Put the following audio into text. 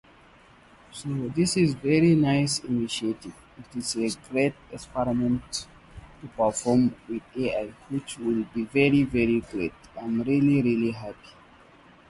Many of these solutions, such as Cargo Portal Services, are delivered via Software-as-a-Service.